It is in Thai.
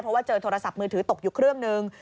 เพราะว่าเจอโทรศัพท์มือถือตกอยู่เครื่องนึง